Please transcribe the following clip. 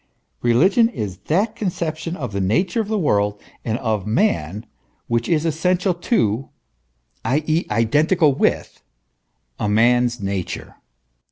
Religion is that conception of the nature of the world and of man which is essential to, i. e., identical with, a man's nature.